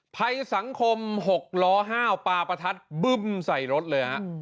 ภัยสังคม๖ล้อห้าวปลาประทัดบึ้มใส่รถเลยฮะ